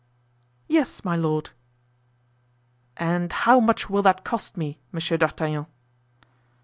"Yes, my lord." "And how much will that cost me, Monsieur d'Artagnan?"